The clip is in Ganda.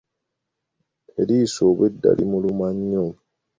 Eriiso obweeda limuluma nnyo.